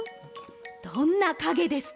どんなかげですか？